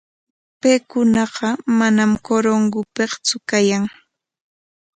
Paykunaqa manam Corongopiktsu kayan.